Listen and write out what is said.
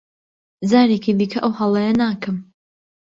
جارێکی دیکە ئەو هەڵەیە ناکەم.